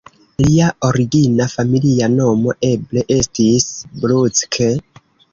Lia origina familia nomo eble estis "Bruck"?